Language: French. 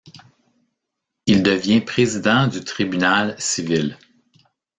Il devient président du tribunal civil.